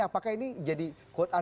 apakah ini jadi quote unquote blazing